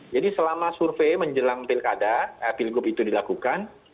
jadi selama survei menjelang pilkada eh pilgub itu dilakukan